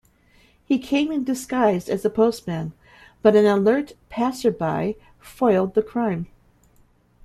He came in disguised as a postman, but an alert passerby foiled the crime.